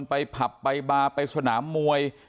ผับไปบาร์ไปสนามมวย